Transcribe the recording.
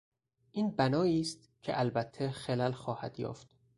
این بنائیست که البته خلل خواهد یافت